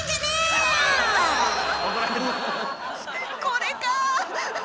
これか！